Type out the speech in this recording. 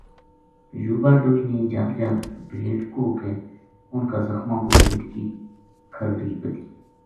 یوبا ڈوئی نے جھب جھب بھیڈ کوہ کے اُنھ کا زخماں پو بھیڈ کی کھرڑی بَدھی